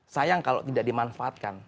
sayang kalau tidak dimanfaatkan